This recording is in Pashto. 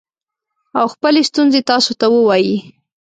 او خپلې ستونزې تاسو ته ووايي